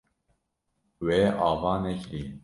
Wê ava nekiriye.